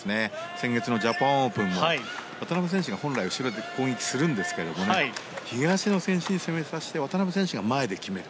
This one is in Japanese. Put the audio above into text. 先月のジャパンオープンも渡辺選手が本来、後ろで攻撃するんですけども東野選手に攻めさせて渡辺選手が前で決める。